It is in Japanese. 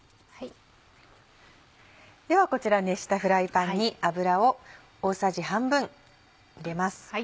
ではこちら熱したフライパンに油を大さじ半分入れます。